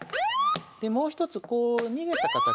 でもう一つこう逃げた形。